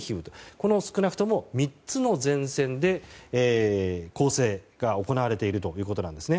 この少なくとも３つの前線で攻勢が行われているんです。